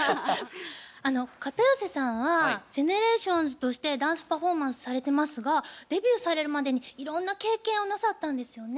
片寄さんはＧＥＮＥＲＡＴＩＯＮＳとしてダンスパフォーマンスされてますがデビューされるまでにいろんな経験をなさったんですよね？